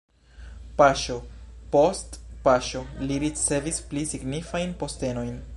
Paŝo post paŝo li ricevis pli signifajn postenojn.